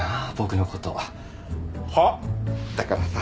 だからさ。